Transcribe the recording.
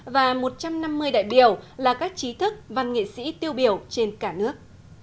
và một trăm năm mươi đại biểu là các trí thức văn nghệ sĩ tiêu biểu trên cả nước